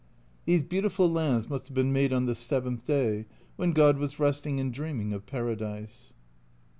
These beautiful lands must have been made on the seventh day, when God was resting and dreaming of Paradise.